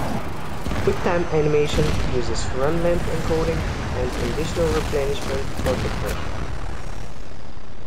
QuickTime Animation uses run-length encoding and conditional replenishment for compression.